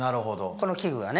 この器具がね。